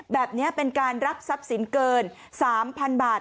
แบบนี้เป็นการรับทรัพย์สินเกิน๓๐๐๐บาท